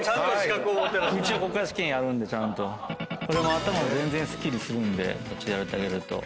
頭全然すっきりするんでこっちでやってあげると。